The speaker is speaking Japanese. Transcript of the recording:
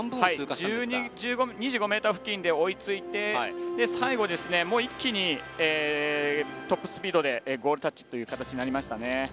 ２５ｍ付近で追いついて最後、一気にトップスピードでゴールタッチという形でしたね。